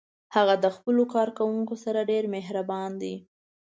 هغه د خپلو کارکوونکو سره ډیر مهربان ده